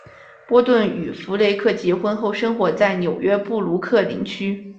波顿与弗雷克结婚后生活在纽约布鲁克林区。